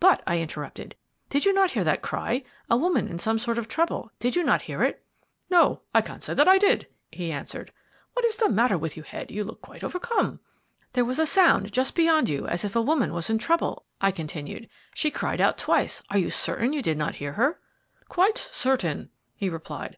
"But," I interrupted, "did you not hear that cry, a woman in some sort of trouble did you not hear it?" "No, I can't say I did," he answered. "What is the matter with you, Head you look quite overcome?" "There was a sound just beyond you as if a woman was in trouble," I continued. "She cried out twice; are you certain you did not hear her?" "Quite certain," he replied.